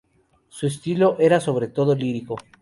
Su estilo era sobre todo lírico.